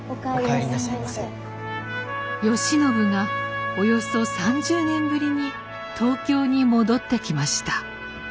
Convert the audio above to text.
慶喜がおよそ３０年ぶりに東京に戻ってきました。